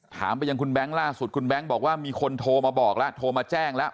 ถามไปยังคุณแบงค์ล่าสุดคุณแบงค์บอกว่ามีคนโทรมาบอกแล้วโทรมาแจ้งแล้ว